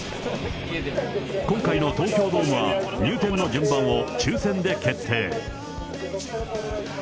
今回の東京ドームは入店の順番を抽せんで決定。